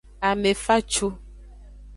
Ame facu.